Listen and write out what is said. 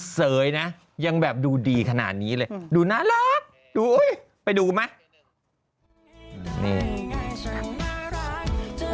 เสยนะยังแบบดูดีขนาดนี้เลยดูน่ารักดูไปดูไหม